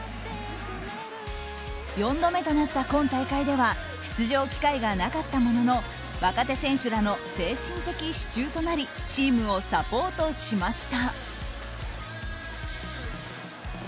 ４度目となった今大会では出場機会がなかったものの若手選手らの精神的支柱となりチームをサポートしました。